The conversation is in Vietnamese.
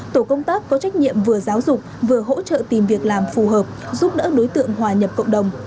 tổ công tác có trách nhiệm vừa giáo dục vừa hỗ trợ tìm việc làm phù hợp giúp đỡ đối tượng hòa nhập cộng đồng